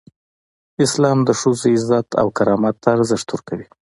اسلام د ښځو عزت او کرامت ته ارزښت ورکوي.